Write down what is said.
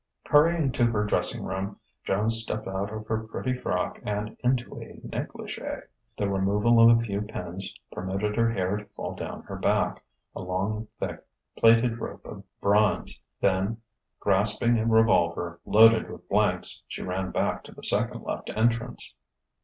Hurrying to her dressing room, Joan stepped out of her pretty frock and into a negligee. The removal of a few pins permitted her hair to fall down her back, a long, thick, plaited rope of bronze. Then grasping a revolver loaded with blanks, she ran back to the second left entrance.